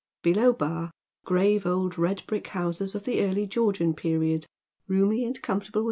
Below Bar, grave old red brick houses of the early Georgian period, roomy, and comfortabl*!